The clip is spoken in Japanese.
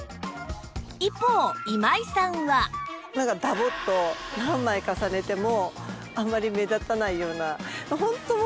一方今井さんはなんかダボッと何枚重ねてもあんまり目立たないような。